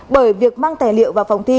bởi việc mang tài liệu vào phòng thi